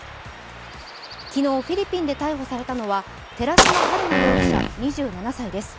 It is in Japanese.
昨日、フィリピンで逮捕されたのは寺島春奈容疑者２７歳です。